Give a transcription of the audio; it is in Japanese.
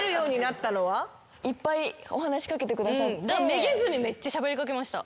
めげずにめっちゃしゃべり掛けました。